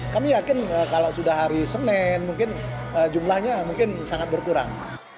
kami yakin kalau sudah hari senin mungkin jumlahnya mungkin sangat berkurang